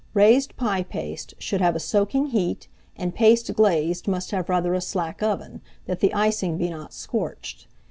Raised pie paste should have a soaking heat, and paste glazed must have rather a slack oven, that the icing be not scorched.